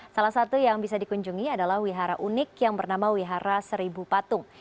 salah satu yang bisa dikunjungi adalah wihara unik yang bernama wihara seribu patung